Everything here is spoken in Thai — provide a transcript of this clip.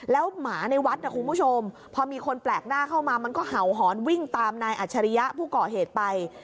แล้วหมาในวัดนะคุณผู้ชมพอมีคนแปลกหน้าเข้ามามันก็เห่าหอนวิ่งตามนายอัจฉริยะผู้ก่อเหตุไป